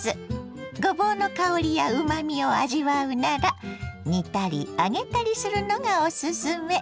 ごぼうの香りやうまみを味わうなら煮たり揚げたりするのがおすすめ。